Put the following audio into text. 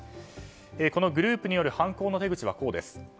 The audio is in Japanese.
このグループによる犯行の手口はこうです。